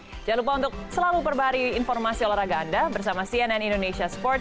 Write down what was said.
jangan lupa untuk selalu perbahari informasi olahraga anda bersama cnn indonesia sports